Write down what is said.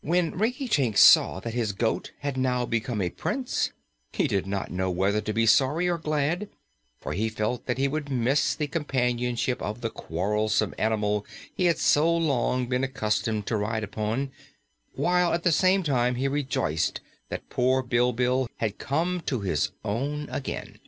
When Rinkitink saw that his goat had now become a Prince, he did not know whether to be sorry or glad, for he felt that he would miss the companionship of the quarrelsome animal he had so long been accustomed to ride upon, while at the same time he rejoiced that poor Bilbil had come to his own again.